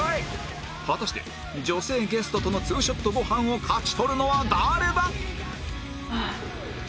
果たして女性ゲストとの２ショットご飯を勝ち取るのは誰だ！？